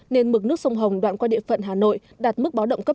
nên mực nước sông hồng đoạn qua địa phận hà nội đạt mức báo động cấp năm